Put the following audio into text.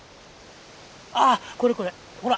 あこれこれほら！